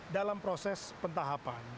dalam proses pentahapan